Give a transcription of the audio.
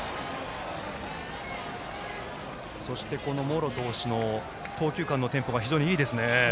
そして、茂呂投手の投球間のテンポが非常にいいですね。